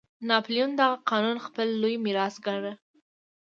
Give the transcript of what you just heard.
ناپلیون دغه قانون خپل لوی میراث ګاڼه.